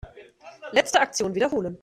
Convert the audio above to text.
Letzte Aktion wiederholen.